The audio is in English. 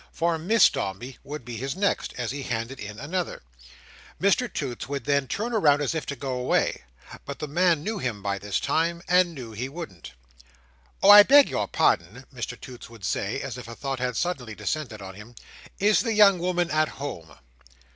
"For Miss Dombey," would be his next, as he handed in another. Mr Toots would then turn round as if to go away; but the man knew him by this time, and knew he wouldn't. "Oh, I beg your pardon," Mr Toots would say, as if a thought had suddenly descended on him. "Is the young woman at home?"